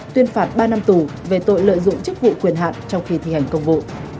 tuyên phạt ba năm tù về tội lợi dụng chức vụ quyền hạn trong khi thi hành công vụ